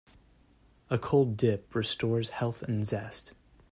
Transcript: A cold dip restores health and zest.